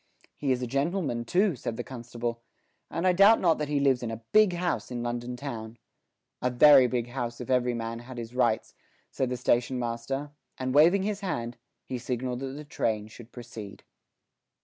"He is a gentleman too," said the constable, "and I doubt not that he lives in a big house in London town." "A very big house if every man had his rights," said the station master, and waving his hand he signalled that the train should proceed.